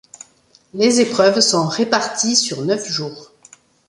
Les épreuves sont réparties sur neuf jours.